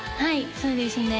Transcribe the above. そうですね